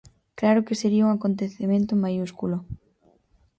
Claro que sería un acontecemento maiúsculo.